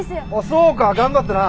そうか頑張ったな。